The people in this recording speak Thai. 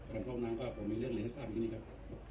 ครับขออนุญาตเลยนะครับนี่ครับ